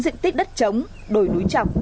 dịnh tích đất trống đồi núi trọc